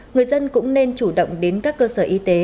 người dân cũng nên chủ động đến các cơ sở y tế